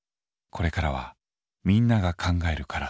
これからはみんなが考えるカラス。